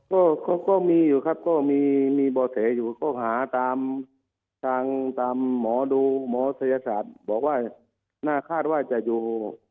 ก็ก็มีอยู่ครับก็มีบ่อแสอยู่ก็หาตามทางตามหมอดูหมอศัยศาสตร์บอกว่าน่าคาดว่าจะอยู่